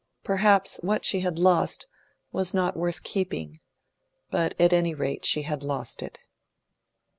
Perhaps what she had lost was not worth keeping; but at any rate she had lost it.